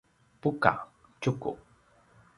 buka: tjuku